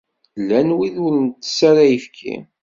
Llan wid ur ntess ara ayefki.